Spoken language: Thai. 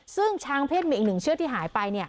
ซึ่งช้างเพศมีอีกหนึ่งเชือกที่หายไป